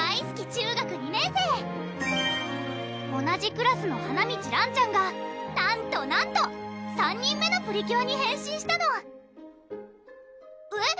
中学２年生同じクラスの華満らんちゃんがなんとなんと３人目のプリキュアに変身したのえっ？